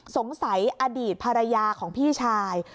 สงสัยอดีตภรรยาของพี่ชาย